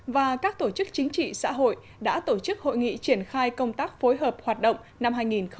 và các tổ chức chính trị xã hội đã tổ chức hội nghị triển khai công tác phối hợp hoạt động năm hai nghìn hai mươi